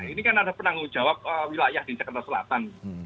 ini kan ada penanggung jawab wilayah di jakarta selatan